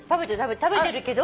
食べてるけど。